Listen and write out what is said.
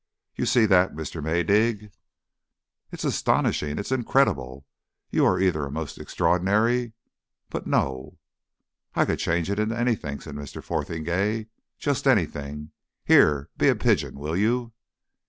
You see that, Mr. Maydig?" "It's astonishing. It's incredible. You are either a most extraordinary ... But no " "I could change it into anything," said Mr. Fotheringay. "Just anything. Here! be a pigeon, will you?"